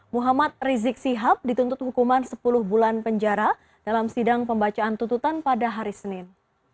muhammad rizik sihab dituntut hukuman sepuluh bulan penjara dalam sidang pembacaan tututan pada hari senin